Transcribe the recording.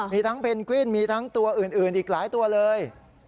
มีทั้งเพนกวินมีทั้งตัวอื่นอีกหลายตัวเลย